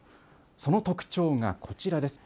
その特徴がこちらです。